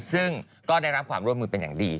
ซึ่งก็ได้รับความร่วมมือเป็นอย่างดี